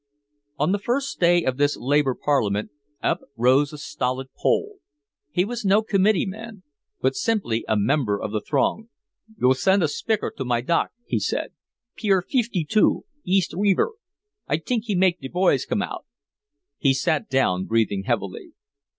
On the first day of this labor parliament, up rose a stolid Pole. He was no committeeman but simply a member of the throng. "Yo' sand a spickair to my dock," he said. "Pier feefty two East Reever. I t'ink he make de boys come out." He sat down breathing heavily.